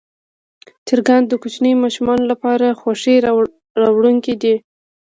چرګان د کوچنیو ماشومانو لپاره خوښي راوړونکي دي.